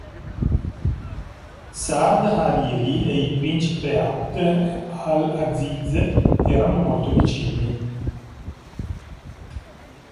Saad Hariri e il principe Abd al-Aziz erano molto vicini.